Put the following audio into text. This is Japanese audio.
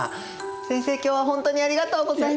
先生今日は本当にありがとうございました。